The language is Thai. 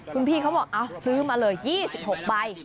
คุณพี่เขาบอกซื้อมาเลย๒๖ใบ